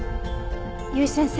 由井先生